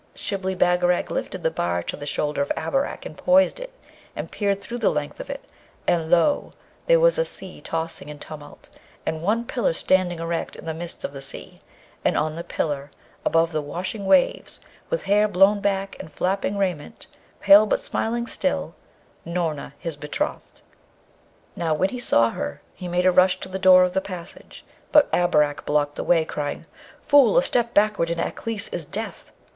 Shibli Bagarag lifted the bar to the shoulder of Abarak, and poised it, and peered through the length of it, and lo! there was a sea tossing in tumult, and one pillar standing erect in the midst of the sea; and on the pillar, above the washing waves, with hair blown back, and flapping raiment, pale but smiling still, Noorna, his betrothed! Now, when he saw her, he made a rush to the door of the passage; but Abarak blocked the way, crying, 'Fool! a step backward in Aklis is death!'